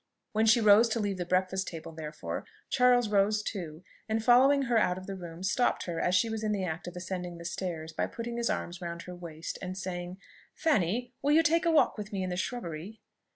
When she rose to leave the breakfast table therefore, Charles rose too, and following her out of the room, stopped her as she was in the act of ascending the stairs by putting his arms round her waist and saying, "Fanny, will you take a walk with me in the shrubbery?"